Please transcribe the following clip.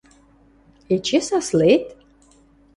– Эче сасле-эт?!